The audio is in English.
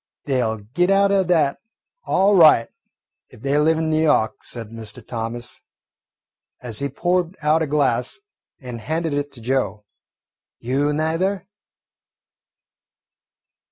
"They 'll git out o' that, all right, if they live in N' Yawk," said Mr. Thomas, as he poured out a glass and handed it to Joe. "You neither?"